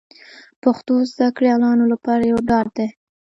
پښتو زده کړیالانو لپاره یو ډاډ دی